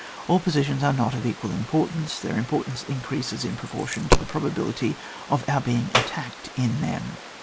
All positions are not of equal importance; their importance increases in proportion to the probability of our being attacked in them.